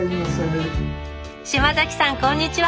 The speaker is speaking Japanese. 島崎さんこんにちは！